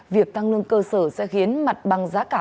việc tăng lương cơ sở sẽ khiến mặt bằng giá cả